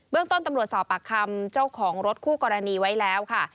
ต้นตำรวจสอบปากคำเจ้าของรถคู่กรณีไว้แล้วค่ะ